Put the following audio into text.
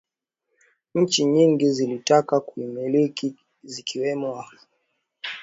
Nchi nyingi zilitaka kuimiliki zikiwemo wapersia wareno waoman na waingereza